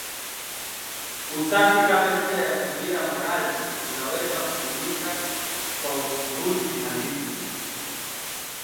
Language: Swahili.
Usafi kama njia ya kuzuia maradhi unaweza kutumika kwa ufumbuzi handisi